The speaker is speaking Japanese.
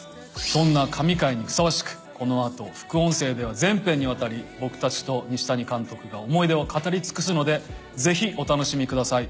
そんな神回にふさわしくこの後副音声では全編にわたり僕たちと西谷監督が思い出を語り尽くすのでぜひお楽しみください。